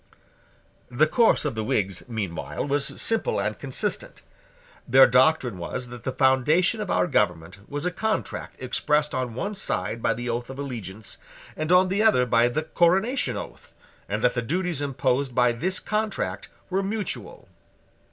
The course of the Whigs, meanwhile, was simple and consistent. Their doctrine was that the foundation of our government was a contract expressed on one side by the oath of allegiance, and on the other by the coronation oath, and that the duties imposed by this contract were mutual.